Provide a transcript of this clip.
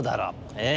「ええ」。